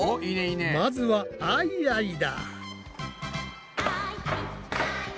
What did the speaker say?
まずは「アイアイ」だ！